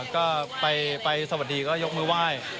ก็ไปสวัสดีก็ยกมือไหว้